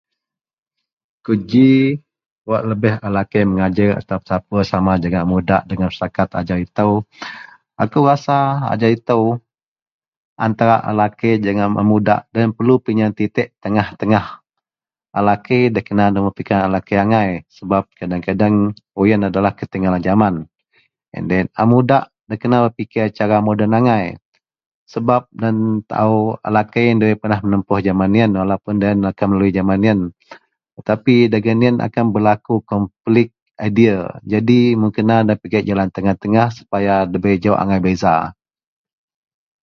Keji wak lebih a lakei mengajar atau bercampur sama jegam a muda dagen setakat ajau ito sebab masa ito antara a lakei jegam a muda lo yian perlu penyieng titek tengah-tengah a lakei da kena berfikir a lakei anggai sebab kadang-kadang wak yian adalah ketinggalan zaman baih yian a muda da kena berfikiran cara moden angai sebab mun yian tak au angai lo yian debai pernah menempuh zaman yian dagen yian lo yian akan berlaku pilik adia sebab lo yian pigek jalan yian supaya debai jau angai beza.